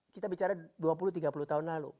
kita bicara dua puluh tiga puluh tahun lalu